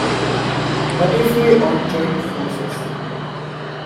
What if we all joined forces?